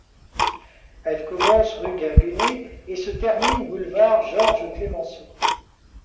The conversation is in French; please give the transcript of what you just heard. Elle commence rue Ginguené et se termine boulevard Georges Clémenceau.